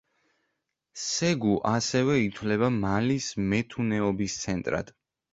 სეგუ ასევე ითვლება მალის მეთუნეობის ცენტრად.